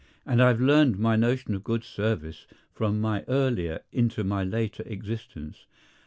And I have earned my notion of good service from my earlier into my later existence.